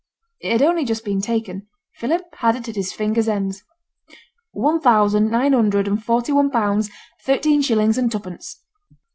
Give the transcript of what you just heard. It had only just been taken; Philip had it at his fingers' ends. 'One thousand nine hundred and forty one pounds, thirteen shillings and twopence.'